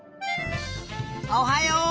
おはよう！